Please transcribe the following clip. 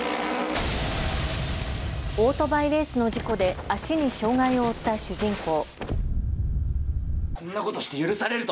オートバイレースの事故で足に障害を負った主人公。